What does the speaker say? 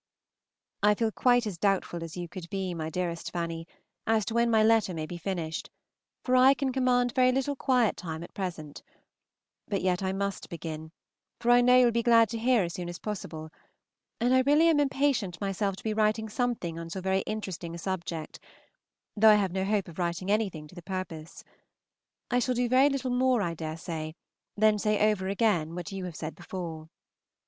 I FEEL quite as doubtful as you could be, my dearest Fanny, as to when my letter may be finished, for I can command very little quiet time at present; but yet I must begin, for I know you will be glad to hear as soon as possible, and I really am impatient myself to be writing something on so very interesting a subject, though I have no hope of writing anything to the purpose. I shall do very little more, I dare say, than say over again what you have said before.